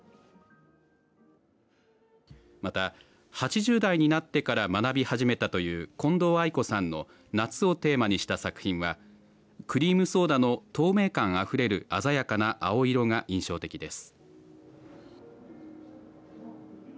また、８０代になってから学び始めたという近藤愛子さんの夏をテーマにした作品はクリームソーダの透明感あふれる鮮やかな青色が印象的です。